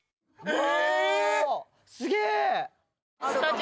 え！